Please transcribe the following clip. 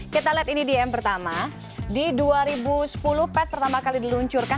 kita lihat ini di m pertama di dua ribu sepuluh pad pertama kali diluncurkan